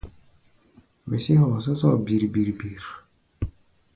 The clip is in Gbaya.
Wesé hɔɔ sɔ́sɔ́ɔ bir-bir-bir.